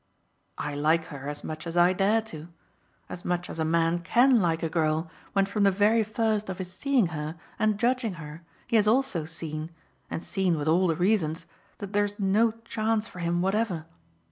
"I like her as much as I dare to as much as a man can like a girl when from the very first of his seeing her and judging her he has also seen, and seen with all the reasons, that there's no chance for him whatever.